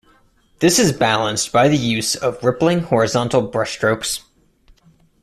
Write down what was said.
This is balanced by the use of rippling horizontal brushstrokes.